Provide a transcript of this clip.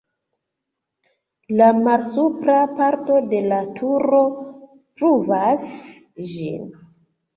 La malsupra parto de la turo pruvas ĝin.